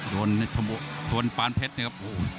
โดนชนปานเพชรนะครับ